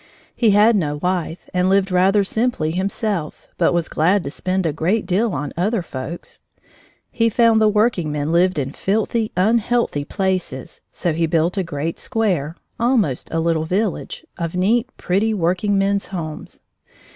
He had no wife and lived rather simply himself, but was glad to spend a great deal on other folks. He found the working men lived in filthy, unhealthy places, so he built a great square almost a little village of neat, pretty, working men's homes.